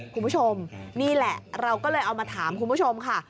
คุณผู้ชมนี่แหละเราก็เลยเอามาถามคุณผู้ชมค่ะ